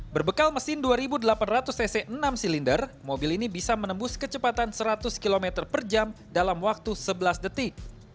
berbekal mesin dua delapan ratus cc enam silinder mobil ini bisa menembus kecepatan seratus km per jam dalam waktu sebelas detik